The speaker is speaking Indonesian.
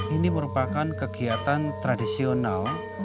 ini merupakan kegiatan tradisional